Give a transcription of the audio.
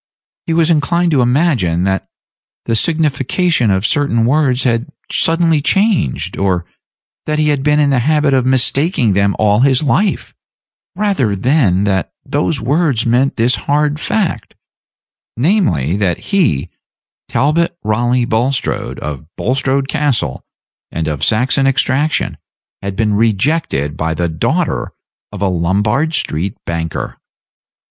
He was inclined to imagine that the signification of certain words had suddenly changed, or that he had been in the habit of mistaking them all his life, rather than that those words meant this hard fact, namely, that he, Talbot Raleigh Bulstrode, of Bulstrode Castle, and of Saxon extraction, had been rejected by the daughter of a Lombard street banker.